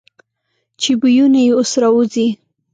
چې بویونه یې اوس را وځي.